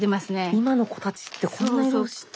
今の子たちってこんな色知ってるんだ。